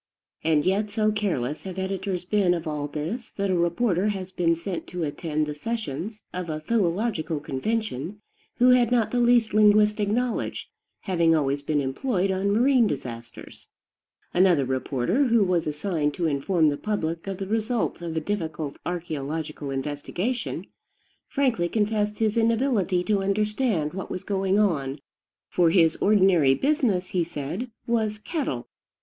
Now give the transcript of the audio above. And yet so careless have editors been of all this that a reporter has been sent to attend the sessions of a philological convention who had not the least linguistic knowledge, having always been employed on marine disasters. Another reporter, who was assigned to inform the public of the results of a difficult archeological investigation, frankly confessed his inability to understand what was going on; for his ordinary business, he said, was cattle.